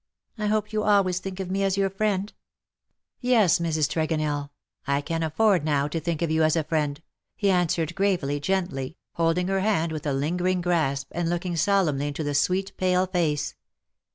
I hope you always think of me as your friend ?"" Yes^ Mrs. Tregonell^ I can afiPord now to think of you as a friend/'' he answered, gravely, gently, holding her hand Avith a lingering grasp, and looking solemnly into the sweet pale face.